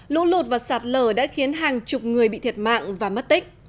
lũ lụt và sạt lở đã khiến hàng chục người bị thiệt mạng và mất tích